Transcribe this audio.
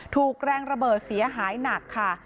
ถูกแรงระเบิดเสียหายหนักค่ะ